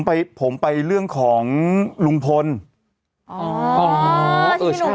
สวัสดีครับคุณผู้ชม